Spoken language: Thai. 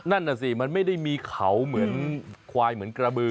นั่นน่ะสิมันไม่ได้มีเขาเหมือนควายเหมือนกระบือ